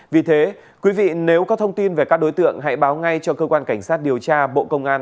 vì thế quý vị nếu có thông tin về các đối tượng hãy báo ngay cho cơ quan cảnh sát điều tra bộ công an